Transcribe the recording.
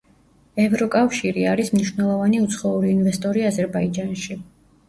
ევროკავშირი არის მნიშვნელოვანი უცხოური ინვესტორი აზერბაიჯანში.